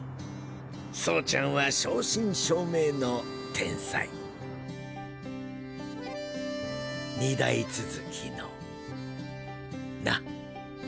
走ちゃんは正真正銘の天才二代続きのな。